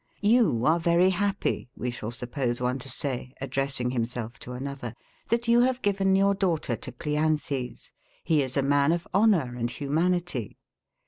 You are very happy, we shall suppose one to say, addressing himself to another, that you have given your daughter to Cleanthes. He is a man of honour and humanity.